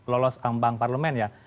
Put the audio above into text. lolos ambang parlemen ya